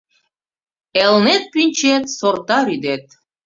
Элнет пӱнчет - сортарӱдет.